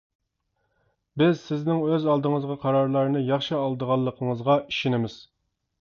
بىز سىزنىڭ ئۆز ئالدىڭىزغا قارارلارنى ياخشى ئالىدىغانلىقىڭىزغا ئىشىنىمىز.